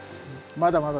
まだまだ？